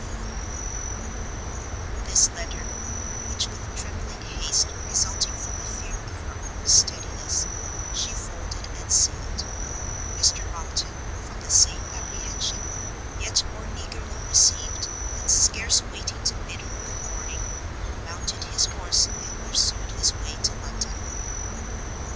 C. B. This letter, which with trembling haste, resulting from a fear of her own steadiness, she folded and sealed, Mr Monckton, from the same apprehension yet more eagerly received, and scarce waiting to bid her good morning, mounted his horse, and pursued his way to London.